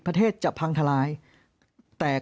เพราะอาชญากรเขาต้องปล่อยเงิน